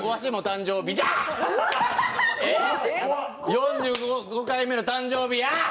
４５回目の誕生日、じゃ！！